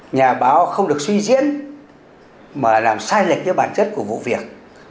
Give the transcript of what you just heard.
nhà báo không được suy diễn mà làm sai lệch cái bản chất của vụ việc